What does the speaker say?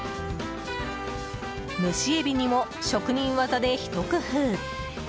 蒸しエビにも職人技でひと工夫。